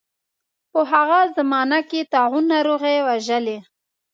په هغه زمانه کې طاعون ناروغۍ وژلي.